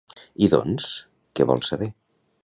I doncs, què vol saber?